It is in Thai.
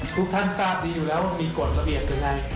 ทุกท่านทราบดีอยู่แล้วว่ามีกฎระเบียบยังไง